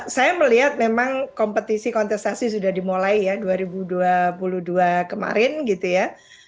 saya melihat memang kompetisi kontestasi sudah dimulai ya dua ribu dua puluh dua kemarin gitu ya